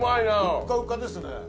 ふっかふかですね。